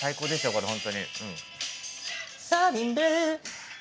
これ本当に。